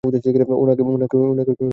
ওনাকে তাড়িয়ে দেন!